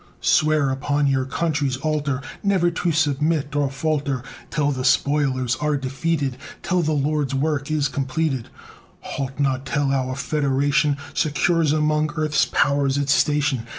Swear upon your country's altar Never to submit or falter, Till the spoilers are defeated, Till the Lord's work is completed! Halt not till our Federation Secures among earth's powers its station!